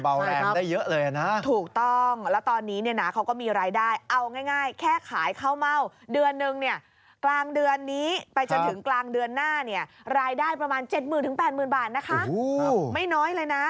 บ่าแรงได้เยอะเลยนะถูกต้องอ๋อและตอนนี้เนี่ยนะเขาก็มีรายได้เอาง่ายแค่ขายข้าวเม่าเดือนหนึ่งเนี่ย